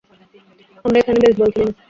আমরা এখানে বেসবল খেলি না।